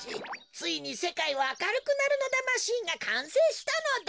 ついにせかいはあかるくなるのだマシンがかんせいしたのだ。